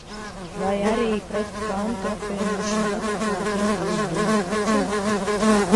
Vai arī pret pantu apvienošanu deputāti iebildumus neceļ?